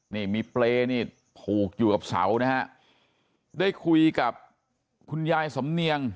นี่มีเปรย์นี่ผูกอยู่กับเสานะฮะได้คุยกับคุณยายสำเนียง